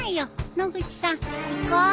野口さん行こ。